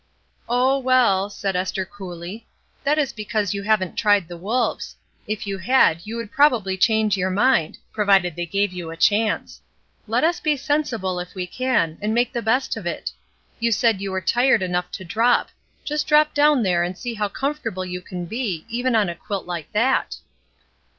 "Oh, well," said Esther, coolly, 'Hhat is because you haven't tried the wolves; if you had, you would probably change your mind — 176 MELINDY'S BED 177 provided they gave you a chance! Let us be sensible, if we can, and make the best of it. You said you were tired enough to drop; just drop down there and see how comfortable you can be, even on a quilt like that."